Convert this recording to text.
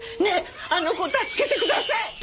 ねえあの子を助けてください！